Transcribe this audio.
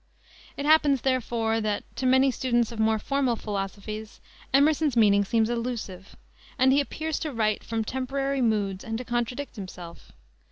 It happens, therefore, that, to many students of more formal philosophies Emerson's meaning seems elusive, and he appears to write from temporary moods and to contradict himself.